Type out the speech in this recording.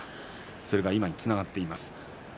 それが今につながっています。